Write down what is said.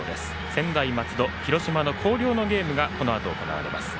専大松戸、広島の広陵のゲームがこのあと、行われます。